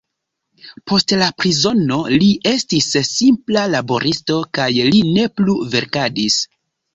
Post la prizono li estis simpla laboristo kaj li ne plu verkadis.